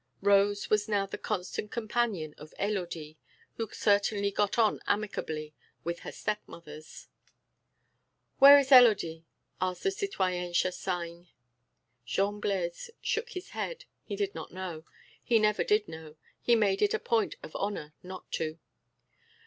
Rose was now the constant companion of Élodie who certainly got on amicably with her step mothers. "Where is Élodie?" asked the citoyenne Chassagne. Jean Blaise shook his head; he did not know. He never did know; he made it a point of honour not to.